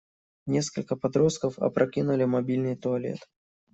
Несколько подростков опрокинули мобильный туалет.